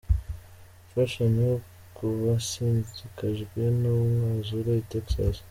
Imfashanyo ku basinzikajwe n'umwuzure i Texas.